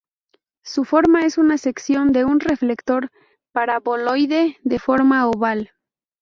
Su forma es una sección de un reflector paraboloide de forma oval.